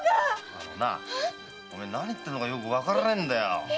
あのなお前何を言ってるのかよくわからないんだよ。